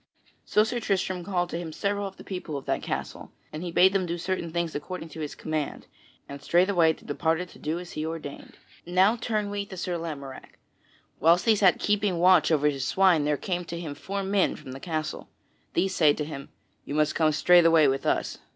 So Sir Tristram called to him several of the people of that castle, and he bade them do certain things according to his command, and straightway they departed to do as he ordained. Now turn we to Sir Lamorack: whilst he sat keeping watch over his swine there came to him four men from the castle. These say to him, "You must come straightway with us."